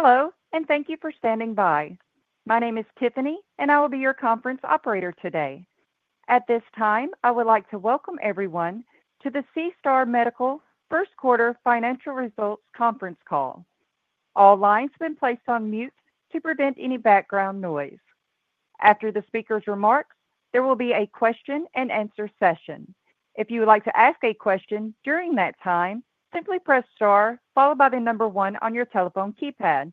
Hello, and thank you for standing by. My name is Tiffany, and I will be your conference operator today. At this time, I would like to welcome everyone to the SeaStar Medical First Quarter Financial Results Conference Call. All lines have been placed on mute to prevent any background noise. After the speaker's remarks, there will be a question-and-answer session. If you would like to ask a question during that time, simply press star followed by the number one on your telephone keypad.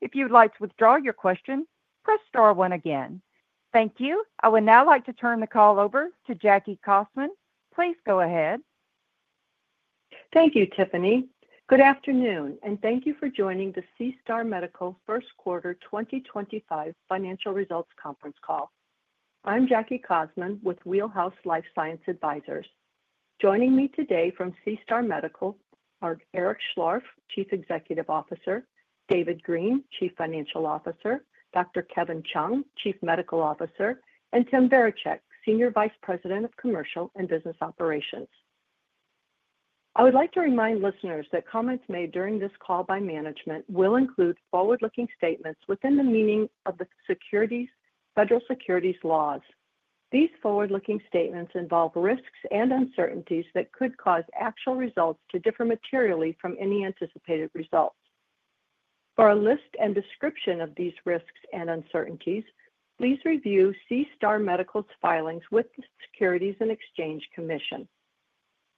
If you would like to withdraw your question, press star one again. Thank you. I would now like to turn the call over to Jackie Kaufman. Please go ahead. Thank you, Tiffany. Good afternoon, and thank you for joining the SeaStar Medical First Quarter 2025 Financial Results Conference Call. I'm Jackie Kaufman with Wheelhouse Life Science Advisors. Joining me today from SeaStar Medical are Eric Schlorff, Chief Executive Officer; David Green, Chief Financial Officer; Dr. Kevin Chung, Chief Medical Officer; and Tim Varacek, Senior Vice President of Commercial and Business Operations. I would like to remind listeners that comments made during this call by management will include forward-looking statements within the meaning of the federal securities laws. These forward-looking statements involve risks and uncertainties that could cause actual results to differ materially from any anticipated results. For a list and description of these risks and uncertainties, please review SeaStar Medical's filings with the Securities and Exchange Commission.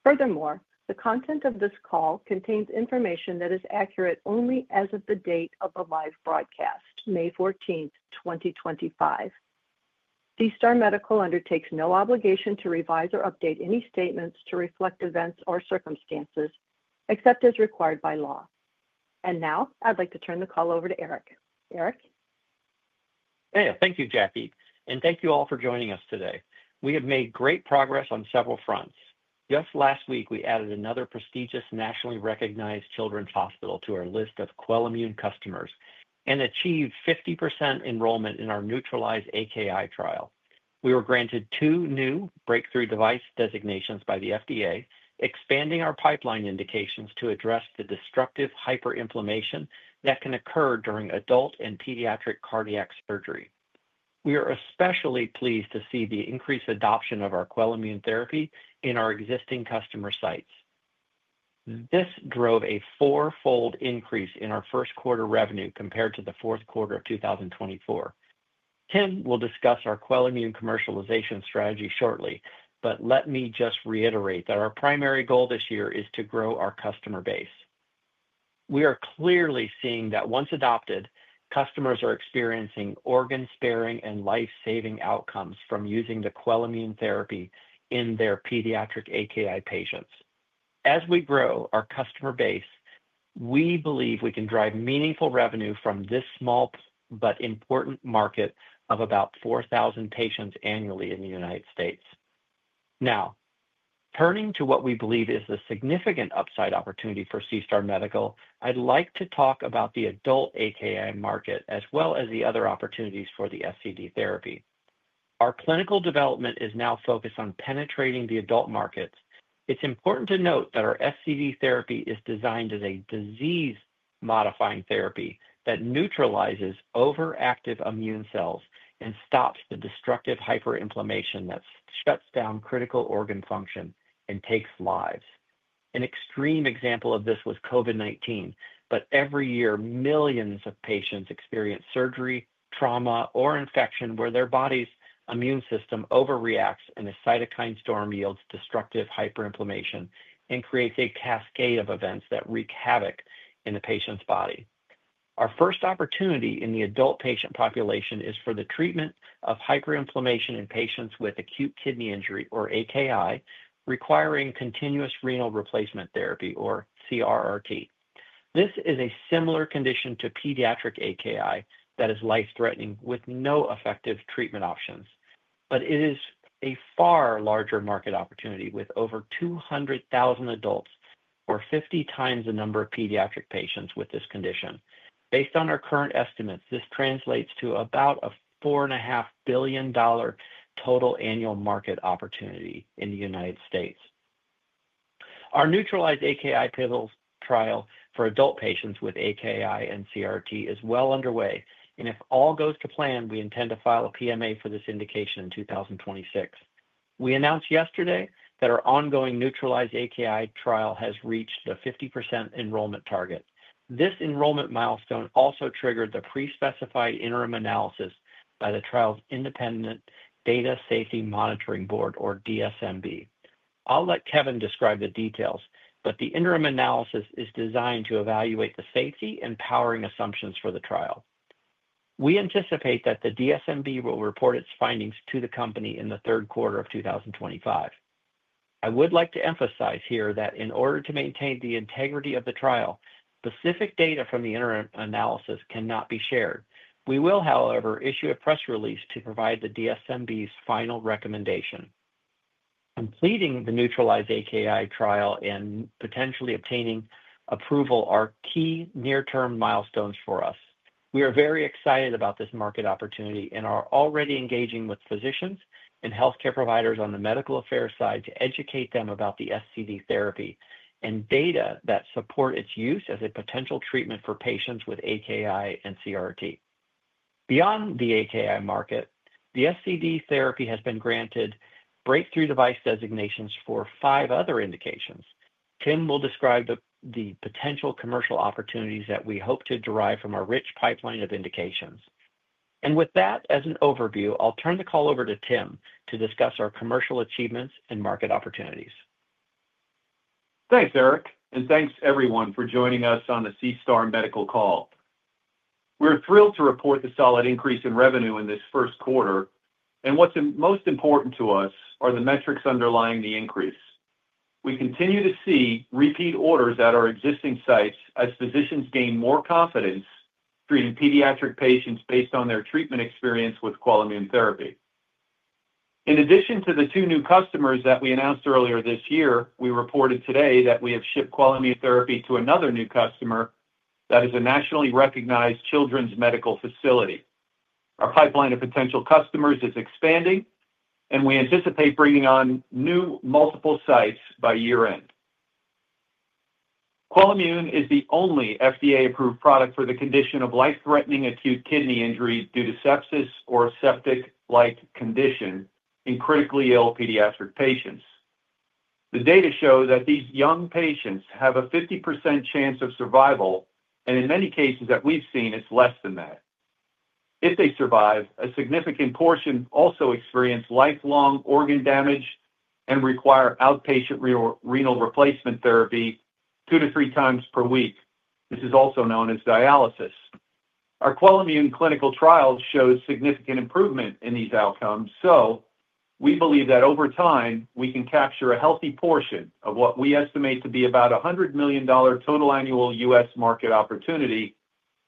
Furthermore, the content of this call contains information that is accurate only as of the date of the live broadcast, May 14th, 2025. SeaStar Medical undertakes no obligation to revise or update any statements to reflect events or circumstances except as required by law. I would like to turn the call over to Eric. Eric. Hey, thank you, Jackie, and thank you all for joining us today. We have made great progress on several fronts. Just last week, we added another prestigious nationally recognized children's hospital to our list of QUELIMMUNE customers and achieved 50% enrollment in our NEUTRALIZE-AKI trial. We were granted two new breakthrough device designations by the FDA, expanding our pipeline indications to address the destructive hyperinflammation that can occur during adult and pediatric cardiac surgery. We are especially pleased to see the increased adoption of our QUELIMMUNE therapy in our existing customer sites. This drove a fourfold increase in our first quarter revenue compared to the fourth quarter of 2024. Tim will discuss our QUELIMMUNE commercialization strategy shortly, but let me just reiterate that our primary goal this year is to grow our customer base. We are clearly seeing that once adopted, customers are experiencing organ-sparing and life-saving outcomes from using the QUELIMMUNE therapy in their pediatric AKI patients. As we grow our customer base, we believe we can drive meaningful revenue from this small but important market of about 4,000 patients annually in the United States. Now, turning to what we believe is the significant upside opportunity for SeaStar Medical, I'd like to talk about the adult AKI market as well as the other opportunities for the SCD therapy. Our clinical development is now focused on penetrating the adult markets. It's important to note that our SCD therapy is designed as a disease-modifying therapy that neutralizes overactive immune cells and stops the destructive hyperinflammation that shuts down critical organ function and takes lives. An extreme example of this was COVID-19, but every year, millions of patients experience surgery, trauma, or infection where their body's immune system overreacts and a cytokine storm yields destructive hyperinflammation and creates a cascade of events that wreak havoc in the patient's body. Our first opportunity in the adult patient population is for the treatment of hyperinflammation in patients with acute kidney injury or AKI requiring continuous renal replacement therapy or CRRT. This is a similar condition to pediatric AKI that is life-threatening with no effective treatment options, but it is a far larger market opportunity with over 200,000 adults or 50 times the number of pediatric patients with this condition. Based on our current estimates, this translates to about a $4.5 billion total annual market opportunity in the United States. Our NEUTRALIZE-AKI trial for adult patients with AKI and CRRT is well underway, and if all goes to plan, we intend to file a PMA for this indication in 2026. We announced yesterday that our ongoing NEUTRALIZE-AKI trial has reached the 50% enrollment target. This enrollment milestone also triggered the pre-specified interim analysis by the trial's independent Data and Safety Monitoring Board, or DSMB. I'll let Kevin describe the details, but the interim analysis is designed to evaluate the safety and powering assumptions for the trial. We anticipate that the DSMB will report its findings to the company in the third quarter of 2025. I would like to emphasize here that in order to maintain the integrity of the trial, specific data from the interim analysis cannot be shared. We will, however, issue a press release to provide the DSMB's final recommendation. Completing the NEUTRALIZE-AKI trial and potentially obtaining approval are key near-term milestones for us. We are very excited about this market opportunity and are already engaging with physicians and healthcare providers on the medical affairs side to educate them about the SCD therapy and data that support its use as a potential treatment for patients with AKI and CRRT. Beyond the AKI market, the SCD therapy has been granted breakthrough device designations for five other indications. Tim will describe the potential commercial opportunities that we hope to derive from our rich pipeline of indications. With that, as an overview, I'll turn the call over to Tim to discuss our commercial achievements and market opportunities. Thanks, Eric, and thanks everyone for joining us on the SeaStar Medical call. We're thrilled to report the solid increase in revenue in this first quarter, and what's most important to us are the metrics underlying the increase. We continue to see repeat orders at our existing sites as physicians gain more confidence treating pediatric patients based on their treatment experience with QUELIMMUNE therapy. In addition to the two new customers that we announced earlier this year, we reported today that we have shipped QUELIMMUNE therapy to another new customer that is a nationally recognized children's medical facility. Our pipeline of potential customers is expanding, and we anticipate bringing on new multiple sites by year-end. QUELIMMUNE is the only FDA-approved product for the condition of life-threatening acute kidney injury due to sepsis or septic-like condition in critically ill pediatric patients. The data show that these young patients have a 50% chance of survival, and in many cases that we've seen, it's less than that. If they survive, a significant portion also experience lifelong organ damage and require outpatient renal replacement therapy two to three times per week. This is also known as dialysis. Our QUELIMMUNE clinical trial shows significant improvement in these outcomes, so we believe that over time, we can capture a healthy portion of what we estimate to be about a $100 million total annual U.S. market opportunity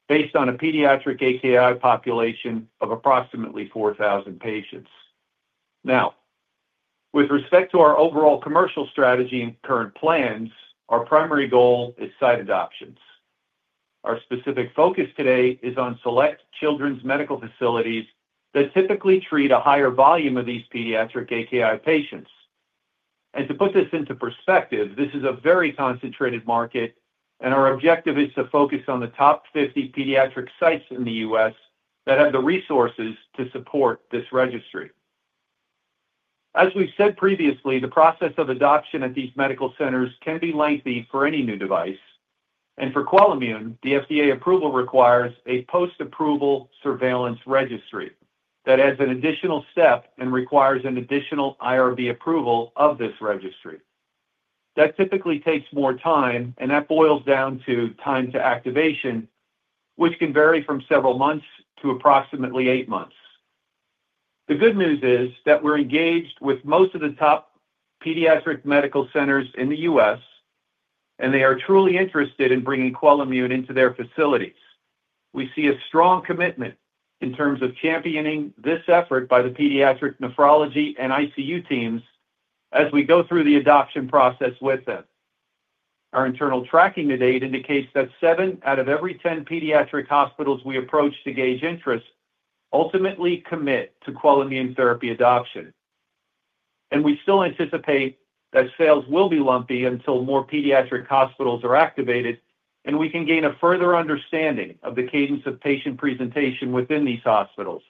based on a pediatric AKI population of approximately 4,000 patients. Now, with respect to our overall commercial strategy and current plans, our primary goal is site adoptions. Our specific focus today is on select children's medical facilities that typically treat a higher volume of these pediatric AKI patients. To put this into perspective, this is a very concentrated market, and our objective is to focus on the top 50 pediatric sites in the U.S. that have the resources to support this registry. As we've said previously, the process of adoption at these medical centers can be lengthy for any new device, and for QUELIMMUNE, the FDA approval requires a post-approval surveillance registry that has an additional step and requires an additional IRB approval of this registry. That typically takes more time, and that boils down to time to activation, which can vary from several months to approximately eight months. The good news is that we're engaged with most of the top pediatric medical centers in the U.S., and they are truly interested in bringing QUELIMMUNE into their facilities. We see a strong commitment in terms of championing this effort by the pediatric nephrology and ICU teams as we go through the adoption process with them. Our internal tracking to date indicates that seven out of every 10 pediatric hospitals we approach to gauge interest ultimately commit to QUELIMMUNE therapy adoption. We still anticipate that sales will be lumpy until more pediatric hospitals are activated, and we can gain a further understanding of the cadence of patient presentation within these hospitals.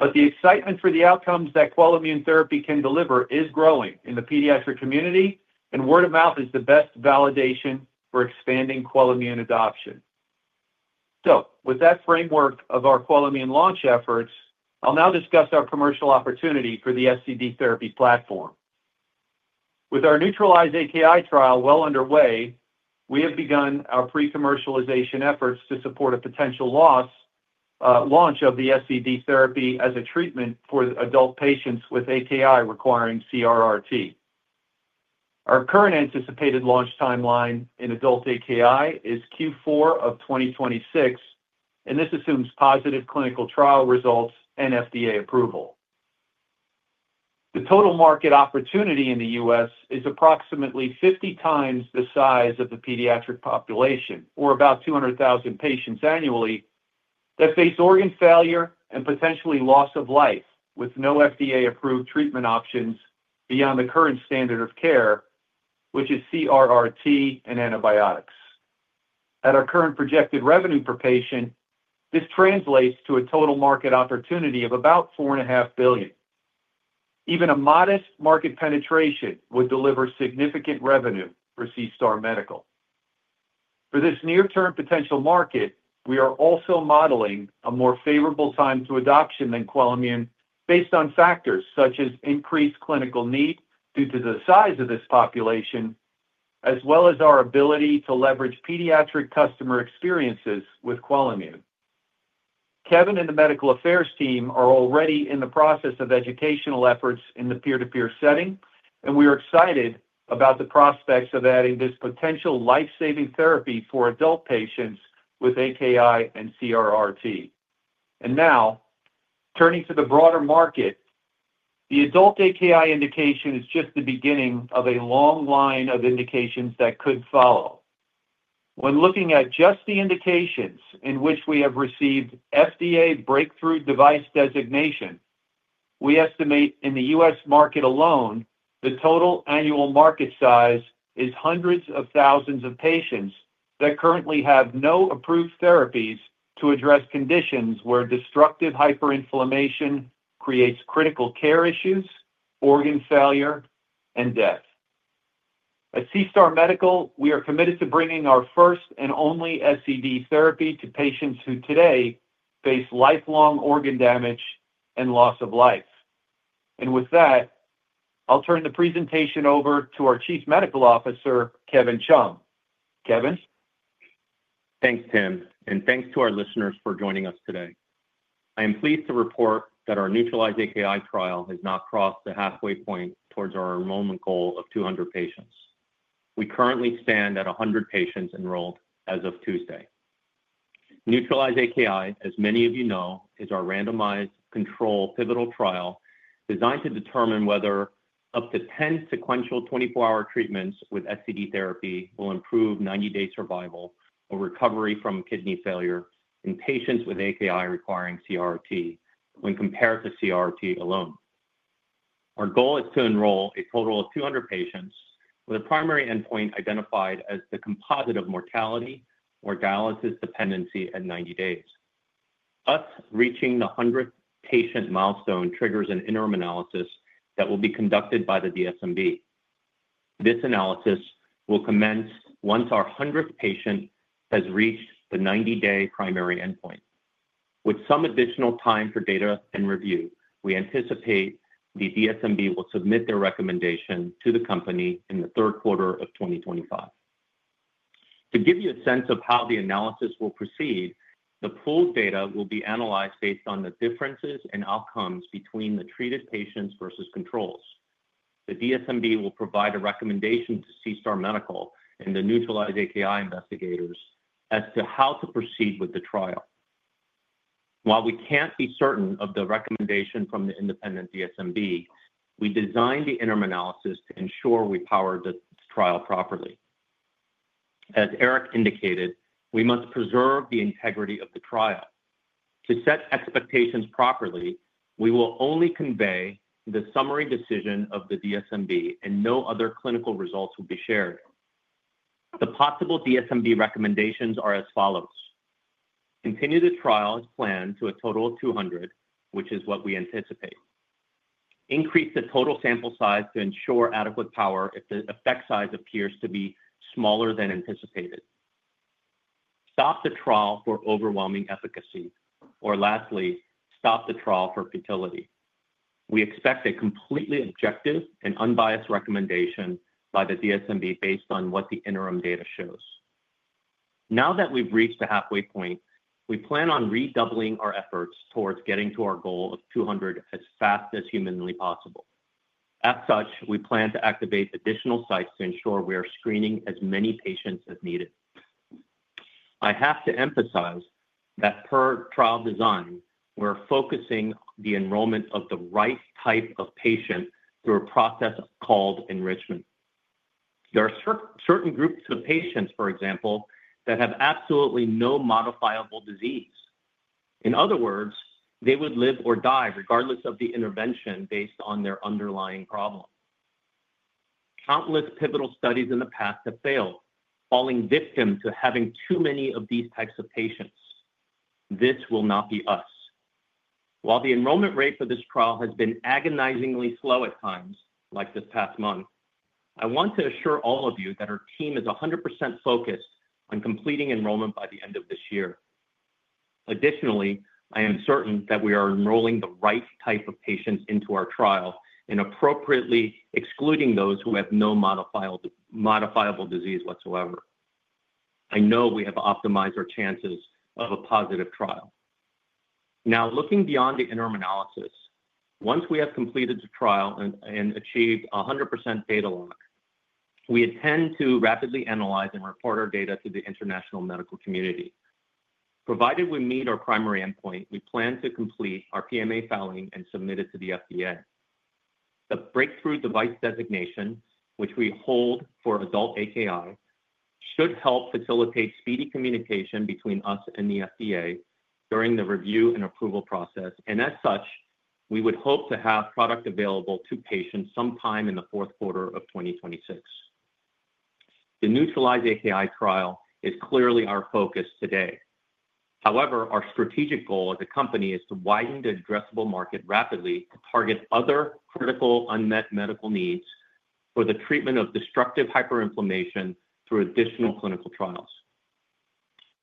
The excitement for the outcomes that QUELIMMUNE therapy can deliver is growing in the pediatric community, and word of mouth is the best validation for expanding QUELIMMUNE adoption. With that framework of our QUELIMMUNE launch efforts, I'll now discuss our commercial opportunity for the SCD therapy platform. With our NEUTRALIZE-AKI trial well underway, we have begun our pre-commercialization efforts to support a potential launch of the SCD therapy as a treatment for adult patients with AKI requiring CRRT. Our current anticipated launch timeline in adult AKI is Q4 of 2026, and this assumes positive clinical trial results and FDA approval. The total market opportunity in the U.S. is approximately 50 times the size of the pediatric population, or about 200,000 patients annually that face organ failure and potentially loss of life with no FDA-approved treatment options beyond the current standard of care, which is CRRT and antibiotics. At our current projected revenue per patient, this translates to a total market opportunity of about $4.5 billion. Even a modest market penetration would deliver significant revenue for SeaStar Medical. For this near-term potential market, we are also modeling a more favorable time to adoption than QUELIMMUNE based on factors such as increased clinical need due to the size of this population, as well as our ability to leverage pediatric customer experiences with QUELIMMUNE. Kevin and the medical affairs team are already in the process of educational efforts in the peer-to-peer setting, and we are excited about the prospects of adding this potential life-saving therapy for adult patients with AKI and CRRT. Now, turning to the broader market, the adult AKI indication is just the beginning of a long line of indications that could follow. When looking at just the indications in which we have received FDA breakthrough device designation, we estimate in the U.S. Market alone, the total annual market size is hundreds of thousands of patients that currently have no approved therapies to address conditions where destructive hyperinflammation creates critical care issues, organ failure, and death. At SeaStar Medical, we are committed to bringing our first and only SCD therapy to patients who today face lifelong organ damage and loss of life. With that, I'll turn the presentation over to our Chief Medical Officer, Kevin Chung. Kevin. Thanks, Tim, and thanks to our listeners for joining us today. I am pleased to report that our NEUTRALIZE-AKI trial has now crossed the halfway point towards our enrollment goal of 200 patients. We currently stand at 100 patients enrolled as of Tuesday. NEUTRALIZE-AKI, as many of you know, is our randomized control pivotal trial designed to determine whether up to 10 sequential 24-hour treatments with SCD therapy will improve 90-day survival or recovery from kidney failure in patients with AKI requiring CRRT when compared to CRRT alone. Our goal is to enroll a total of 200 patients with a primary endpoint identified as the composite of mortality or dialysis dependency at 90 days. Us reaching the 100th patient milestone triggers an interim analysis that will be conducted by the DSMB. This analysis will commence once our 100th patient has reached the 90-day primary endpoint. With some additional time for data and review, we anticipate the DSMB will submit their recommendation to the company in the third quarter of 2025. To give you a sense of how the analysis will proceed, the pooled data will be analyzed based on the differences in outcomes between the treated patients versus controls. The DSMB will provide a recommendation to SeaStar Medical and the NEUTRALIZE-AKI investigators as to how to proceed with the trial. While we can't be certain of the recommendation from the independent DSMB, we designed the interim analysis to ensure we power the trial properly. As Eric indicated, we must preserve the integrity of the trial. To set expectations properly, we will only convey the summary decision of the DSMB, and no other clinical results will be shared. The possible DSMB recommendations are as follows: continue the trial as planned to a total of 200, which is what we anticipate. Increase the total sample size to ensure adequate power if the effect size appears to be smaller than anticipated. Stop the trial for overwhelming efficacy. Or lastly, stop the trial for futility. We expect a completely objective and unbiased recommendation by the DSMB based on what the interim data shows. Now that we've reached the halfway point, we plan on redoubling our efforts towards getting to our goal of 200 as fast as humanly possible. As such, we plan to activate additional sites to ensure we are screening as many patients as needed. I have to emphasize that per trial design, we're focusing the enrollment of the right type of patient through a process called enrichment. There are certain groups of patients, for example, that have absolutely no modifiable disease. In other words, they would live or die regardless of the intervention based on their underlying problem. Countless pivotal studies in the past have failed, falling victim to having too many of these types of patients. This will not be us. While the enrollment rate for this trial has been agonizingly slow at times, like this past month, I want to assure all of you that our team is 100% focused on completing enrollment by the end of this year. Additionally, I am certain that we are enrolling the right type of patients into our trial and appropriately excluding those who have no modifiable disease whatsoever. I know we have optimized our chances of a positive trial. Now, looking beyond the interim analysis, once we have completed the trial and achieved 100% data lock, we intend to rapidly analyze and report our data to the international medical community. Provided we meet our primary endpoint, we plan to complete our PMA filing and submit it to the FDA. The breakthrough device designation, which we hold for adult AKI, should help facilitate speedy communication between us and the FDA during the review and approval process, and as such, we would hope to have product available to patients sometime in the fourth quarter of 2026. The NEUTRALIZE-AKI trial is clearly our focus today. However, our strategic goal as a company is to widen the addressable market rapidly to target other critical unmet medical needs for the treatment of destructive hyperinflammation through additional clinical trials.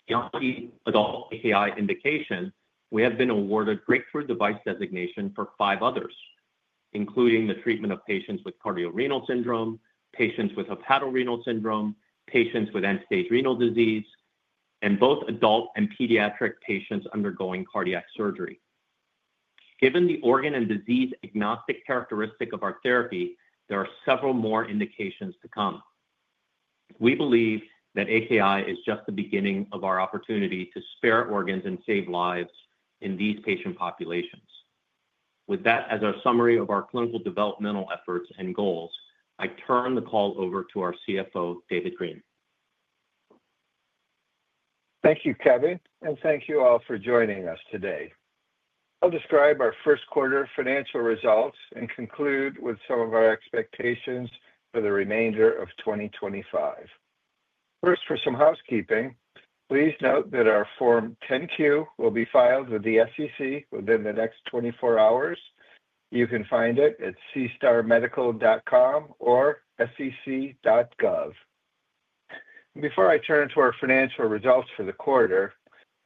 Beyond the adult AKI indication, we have been awarded breakthrough device designation for five others, including the treatment of patients with cardiorenal syndrome, patients with hepatorenal syndrome, patients with end-stage renal disease, and both adult and pediatric patients undergoing cardiac surgery. Given the organ and disease agnostic characteristic of our therapy, there are several more indications to come. We believe that AKI is just the beginning of our opportunity to spare organs and save lives in these patient populations. With that as our summary of our clinical developmental efforts and goals, I turn the call over to our CFO, David Green. Thank you, Kevin, and thank you all for joining us today. I'll describe our first quarter financial results and conclude with some of our expectations for the remainder of 2025. First, for some housekeeping, please note that our Form 10-Q will be filed with the SEC within the next 24 hours. You can find it at seastarmedical.com or SEC.gov. Before I turn to our financial results for the quarter,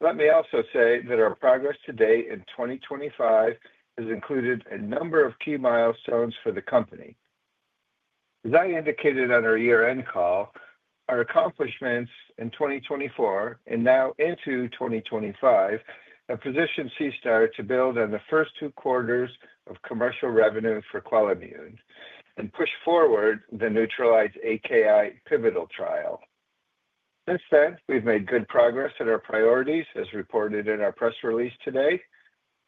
let me also say that our progress to date in 2025 has included a number of key milestones for the company. As I indicated on our year-end call, our accomplishments in 2024 and now into 2025 have positioned SeaStar Medical to build on the first two quarters of commercial revenue for QUELIMMUNE and push forward the NEUTRALIZE-AKI pivotal trial. Since then, we've made good progress in our priorities, as reported in our press release today.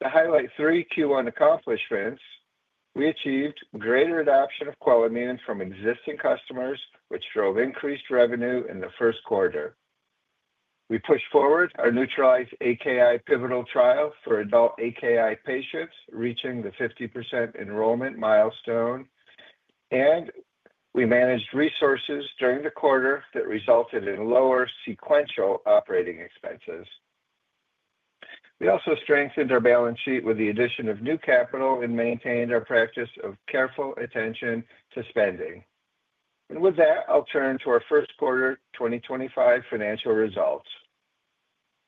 To highlight three Q1 accomplishments, we achieved greater adoption of QUELIMMUNE from existing customers, which drove increased revenue in the first quarter. We pushed forward our NEUTRALIZE-AKI pivotal trial for adult AKI patients, reaching the 50% enrollment milestone, and we managed resources during the quarter that resulted in lower sequential operating expenses. We also strengthened our balance sheet with the addition of new capital and maintained our practice of careful attention to spending. With that, I'll turn to our first quarter 2025 financial results.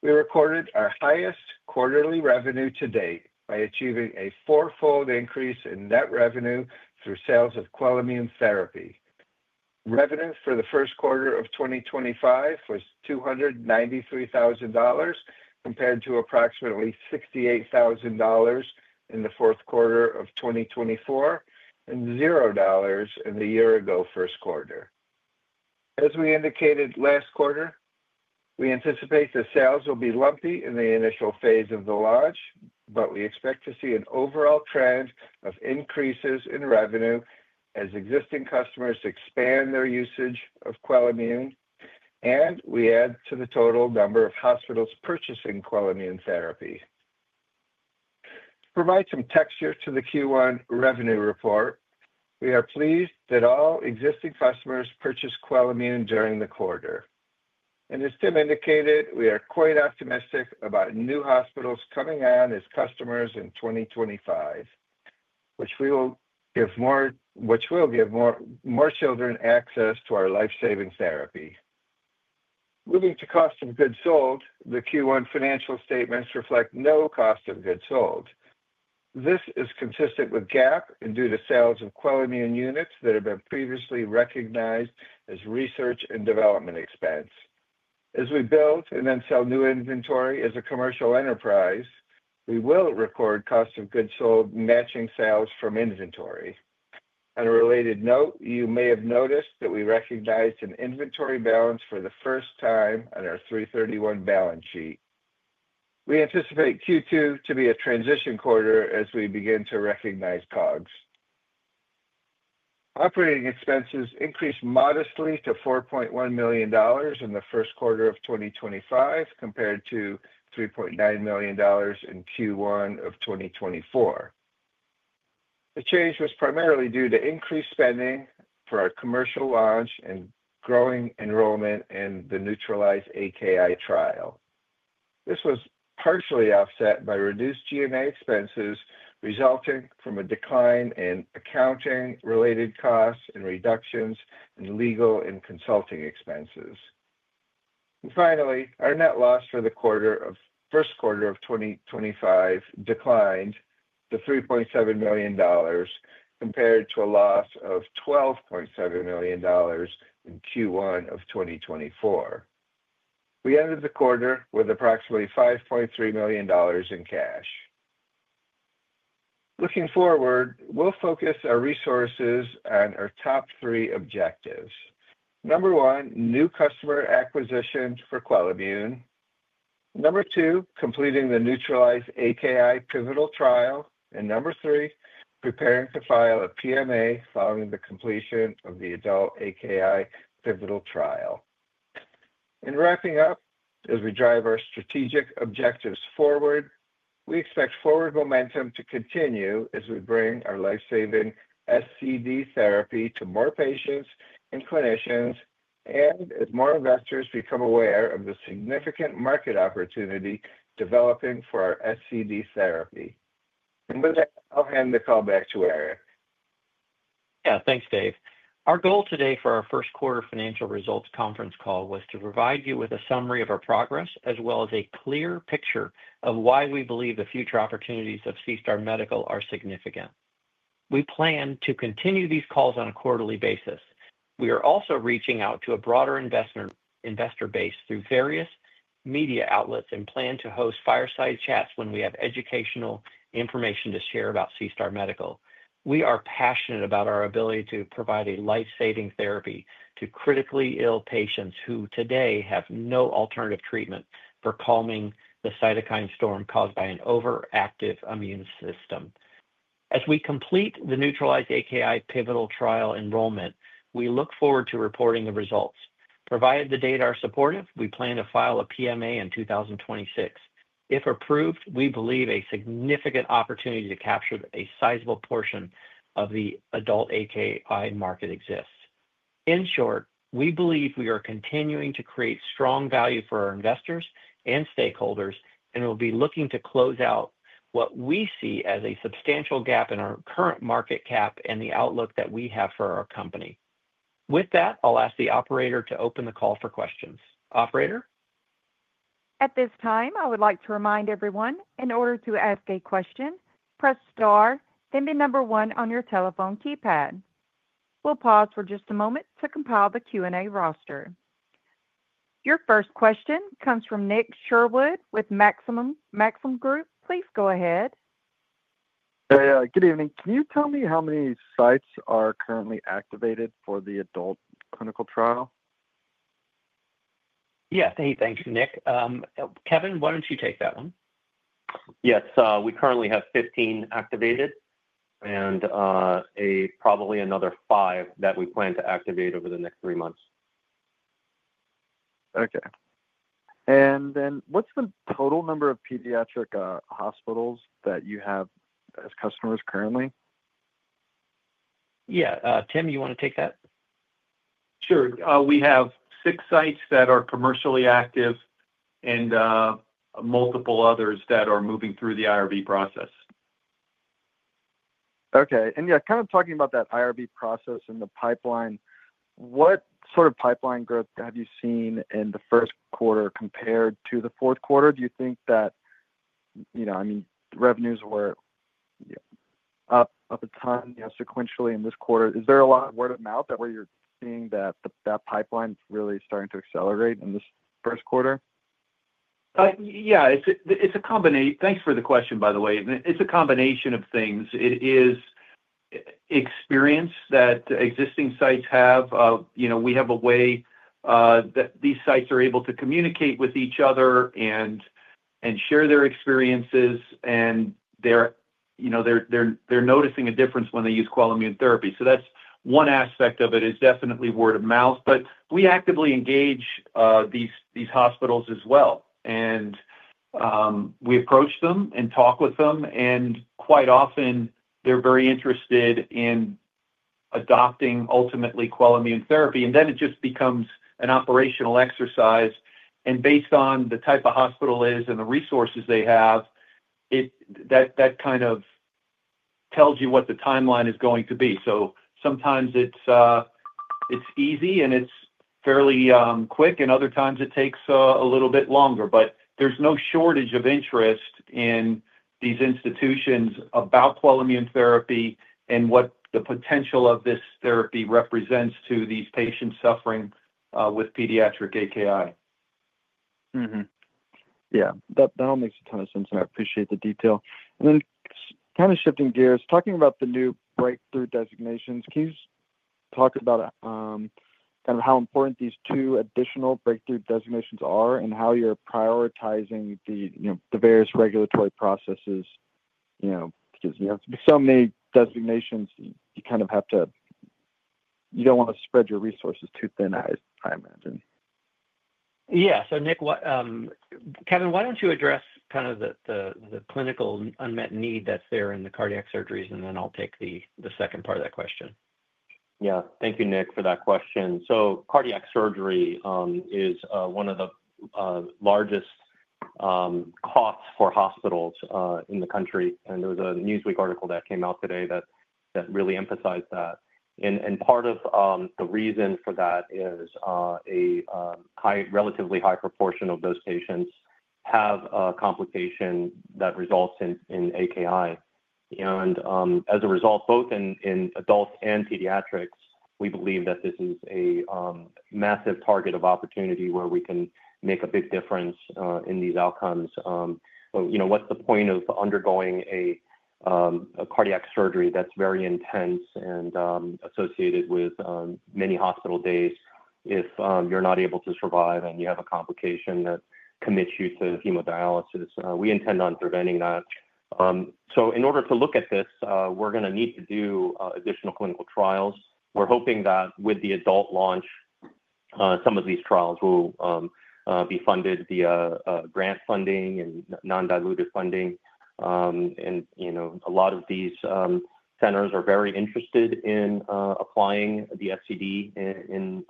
We recorded our highest quarterly revenue to date by achieving a four-fold increase in net revenue through sales of QUELIMMUNE therapy. Revenue for the first quarter of 2025 was $293,000 compared to approximately $68,000 in the fourth quarter of 2024 and $0 in the year-ago first quarter. As we indicated last quarter, we anticipate the sales will be lumpy in the initial phase of the launch, but we expect to see an overall trend of increases in revenue as existing customers expand their usage of QUELIMMUNE, and we add to the total number of hospitals purchasing QUELIMMUNE therapy. To provide some texture to the Q1 revenue report, we are pleased that all existing customers purchased QUELIMMUNE during the quarter. As Tim indicated, we are quite optimistic about new hospitals coming on as customers in 2025, which will give more children access to our life-saving therapy. Moving to cost of goods sold, the Q1 financial statements reflect no cost of goods sold. This is consistent with GAAP and due to sales of QUELIMMUNE units that have been previously recognized as research and development expense. As we build and then sell new inventory as a commercial enterprise, we will record cost of goods sold matching sales from inventory. On a related note, you may have noticed that we recognized an inventory balance for the first time on our March 31 balance sheet. We anticipate Q2 to be a transition quarter as we begin to recognize COGS. Operating expenses increased modestly to $4.1 million in the first quarter of 2025 compared to $3.9 million in Q1 of 2024. The change was primarily due to increased spending for our commercial launch and growing enrollment in the NEUTRALIZE-AKI trial. This was partially offset by reduced G&A expenses resulting from a decline in accounting-related costs and reductions in legal and consulting expenses. Finally, our net loss for the first quarter of 2025 declined to $3.7 million compared to a loss of $12.7 million in Q1 of 2024. We ended the quarter with approximately $5.3 million in cash. Looking forward, we'll focus our resources on our top three objectives. Number one, new customer acquisitions for QUELIMMUNE. Number two, completing the NEUTRALIZE-AKI pivotal trial. Number three, preparing to file a PMA following the completion of the adult AKI pivotal trial. Wrapping up, as we drive our strategic objectives forward, we expect forward momentum to continue as we bring our life-saving SCD therapy to more patients and clinicians and as more investors become aware of the significant market opportunity developing for our SCD therapy. With that, I'll hand the call back to Eric. Yeah, thanks, Dave. Our goal today for our first quarter financial results conference call was to provide you with a summary of our progress as well as a clear picture of why we believe the future opportunities of SeaStar Medical are significant. We plan to continue these calls on a quarterly basis. We are also reaching out to a broader investor base through various media outlets and plan to host fireside chats when we have educational information to share about SeaStar Medical. We are passionate about our ability to provide a life-saving therapy to critically ill patients who today have no alternative treatment for calming the cytokine storm caused by an overactive immune system. As we complete the NEUTRALIZE-AKI pivotal trial enrollment, we look forward to reporting the results. Provided the data are supportive, we plan to file a PMA in 2026. If approved, we believe a significant opportunity to capture a sizable portion of the adult AKI market exists. In short, we believe we are continuing to create strong value for our investors and stakeholders and will be looking to close out what we see as a substantial gap in our current market cap and the outlook that we have for our company. With that, I'll ask the operator to open the call for questions. Operator? At this time, I would like to remind everyone, in order to ask a question, press star, then the number one on your telephone keypad. We'll pause for just a moment to compile the Q&A roster. Your first question comes from Nick Sherwood with Maxim Group. Please go ahead. Hey, good evening. Can you tell me how many sites are currently activated for the adult clinical trial? Yeah, hey, thanks, Nick. Kevin, why don't you take that one? Yes, we currently have 15 activated and probably another five that we plan to activate over the next three months. Okay. What's the total number of pediatric hospitals that you have as customers currently? Yeah, Tim, you want to take that? Sure. We have six sites that are commercially active and multiple others that are moving through the IRB process. Okay. Yeah, kind of talking about that IRB process and the pipeline, what sort of pipeline growth have you seen in the first quarter compared to the fourth quarter? Do you think that, I mean, revenues were up a ton sequentially in this quarter? Is there a lot of word of mouth where you're seeing that that pipeline is really starting to accelerate in this first quarter? Yeah, it's a combination. Thanks for the question, by the way. It's a combination of things. It is experience that existing sites have. We have a way that these sites are able to communicate with each other and share their experiences, and they're noticing a difference when they use QUELIMMUNE therapy. That is one aspect of it, is definitely word of mouth, but we actively engage these hospitals as well. We approach them and talk with them, and quite often, they're very interested in adopting ultimately QUELIMMUNE therapy. It just becomes an operational exercise. Based on the type of hospital it is and the resources they have, that kind of tells you what the timeline is going to be. Sometimes it's easy and it's fairly quick, and other times it takes a little bit longer. There is no shortage of interest in these institutions about QUELIMMUNE therapy and what the potential of this therapy represents to these patients suffering with pediatric AKI. Yeah, that all makes a ton of sense, and I appreciate the detail. And then kind of shifting gears, talking about the new breakthrough designations, can you talk about kind of how important these two additional breakthrough designations are and how you're prioritizing the various regulatory processes? Because so many designations, you kind of have to—you don't want to spread your resources too thin, I imagine. Yeah. Nick, Kevin, why don't you address kind of the clinical unmet need that's there in the cardiac surgeries, and then I'll take the second part of that question. Yeah. Thank you, Nick, for that question. Cardiac surgery is one of the largest costs for hospitals in the country. There was a Newsweek article that came out today that really emphasized that. Part of the reason for that is a relatively high proportion of those patients have a complication that results in AKI. As a result, both in adults and pediatrics, we believe that this is a massive target of opportunity where we can make a big difference in these outcomes. What's the point of undergoing a cardiac surgery that's very intense and associated with many hospital days if you're not able to survive and you have a complication that commits you to hemodialysis? We intend on preventing that. In order to look at this, we're going to need to do additional clinical trials. We're hoping that with the adult launch, some of these trials will be funded via grant funding and non-diluted funding. A lot of these centers are very interested in applying the SCD in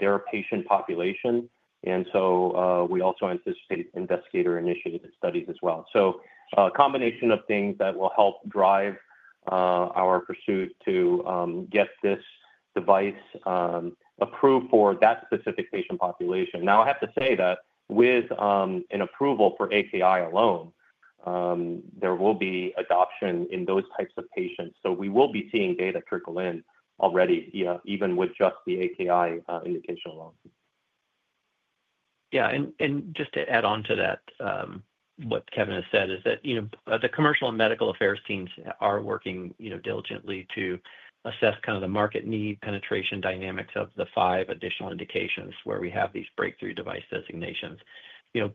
their patient population. We also anticipate investigator-initiated studies as well. A combination of things will help drive our pursuit to get this device approved for that specific patient population. I have to say that with an approval for AKI alone, there will be adoption in those types of patients. We will be seeing data trickle in already, even with just the AKI indication alone. Yeah. And just to add on to that, what Kevin has said is that the commercial and medical affairs teams are working diligently to assess kind of the market need penetration dynamics of the five additional indications where we have these breakthrough device designations.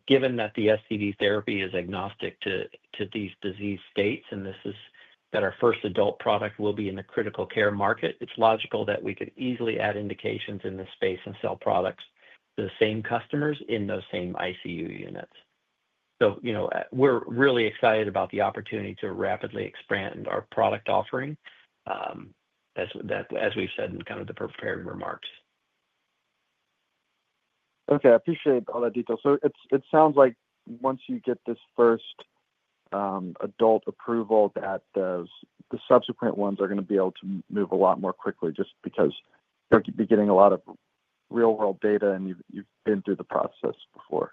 Given that the SCD therapy is agnostic to these disease states and this is that our first adult product will be in the critical care market, it's logical that we could easily add indications in this space and sell products to the same customers in those same ICU units. So we're really excited about the opportunity to rapidly expand our product offering, as we've said in kind of the prepared remarks. Okay. I appreciate all that detail. It sounds like once you get this first adult approval, the subsequent ones are going to be able to move a lot more quickly just because you'll be getting a lot of real-world data and you've been through the process before.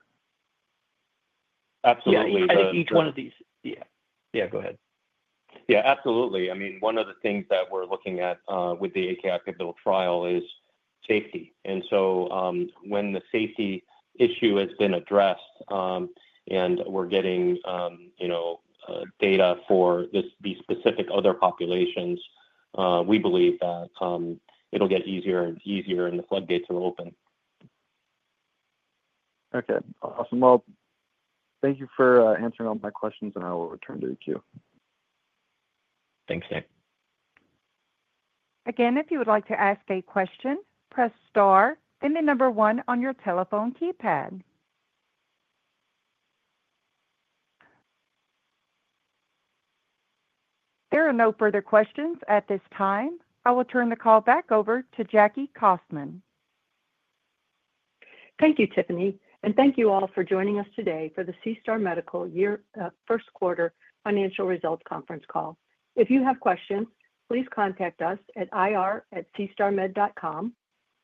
Absolutely. Yeah, each one of these—yeah, go ahead. Yeah, absolutely. I mean, one of the things that we're looking at with the AKI pivotal trial is safety. When the safety issue has been addressed and we're getting data for these specific other populations, we believe that it'll get easier and easier and the floodgates will open. Okay. Awesome. Thank you for answering all my questions, and I will return to the queue. Thanks, Nick. Again, if you would like to ask a question, press star, then the number one on your telephone keypad. There are no further questions at this time. I will turn the call back over to Jackie Kaufman. Thank you, Tiffany. Thank you all for joining us today for the SeaStar Medical first quarter financial results conference call. If you have questions, please contact us at ir@seastarmed.com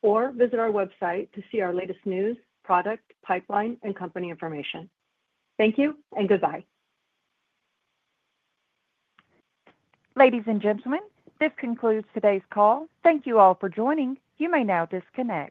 or visit our website to see our latest news, product, pipeline, and company information. Thank you and goodbye. Ladies and gentlemen, this concludes today's call. Thank you all for joining. You may now disconnect.